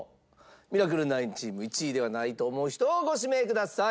ミラクル９チーム１位ではないと思う人をご指名ください。